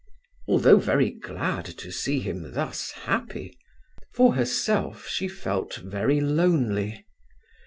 Although very glad to see him thus happy, for herself she felt very lonely.